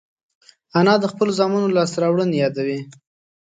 انا د خپلو زامنو لاسته راوړنې یادوي